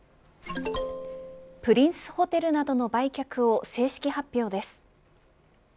プリンスホテルなどの売却を正式発表です。